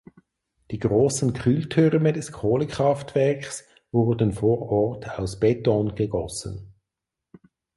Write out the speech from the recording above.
Die großen Kühltürme des Kohlekraftwerks wurden vor Ort aus Beton gegossen.